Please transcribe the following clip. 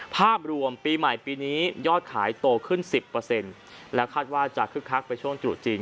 ภาพรวมปีใหม่ปีนี้ยอดขายโตขึ้น๑๐และคาดว่าจะคึกคักไปช่วงตรุษจีน